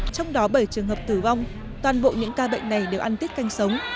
trong đó bảy trường hợp tử vong toàn bộ những ca bệnh này đều ăn tiết canh sống